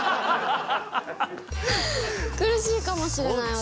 苦しいかもしれない私。